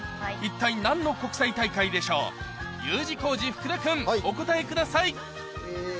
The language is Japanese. Ｕ字工事・福田君お答えくださいえ